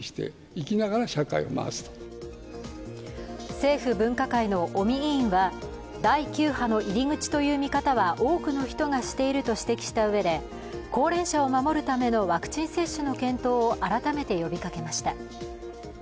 政府分科会の尾身委員は第９波の入り口という見方は多くの人がしていると指摘したうえで高齢者を守るためのワクチン接種の検討を改めて呼びかけました。